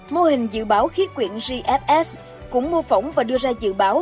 mô hình dự báo khí quyển gfs cũng mô phỏng và đưa ra dự báo